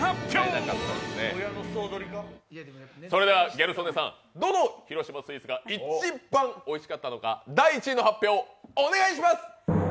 ギャル曽根さん、どの広島スイーツが一番おいしかったのか、第１位の発表、お願いします！